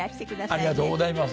ありがとうございます。